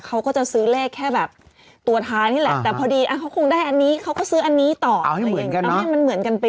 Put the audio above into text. เขาก็ไปถึงที่เอาเงินไปมอบให้สี่สิบล้านนั้นเหมือนกัน